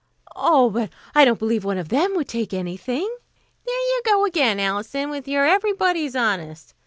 "Oh, but I don't believe one of them would take anything." "There you go again, Alison, with your 'everybody's honest.'